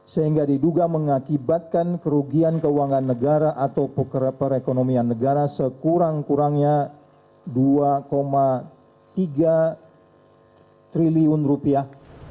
sehingga diduga mengakibatkan kerugian keuangan negara atau perekonomian negara sekurang kurangnya dua tiga triliun rupiah